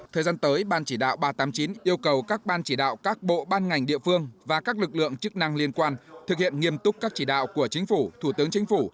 thời gian tới ban chỉ đạo ba trăm tám mươi chín yêu cầu các ban chỉ đạo các bộ ban ngành địa phương và các lực lượng chức năng liên quan thực hiện nghiêm túc các chỉ đạo của chính phủ thủ tướng chính phủ